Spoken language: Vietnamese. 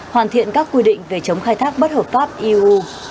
hoàn thiện các quy định về chống khai thác bất hợp pháp eu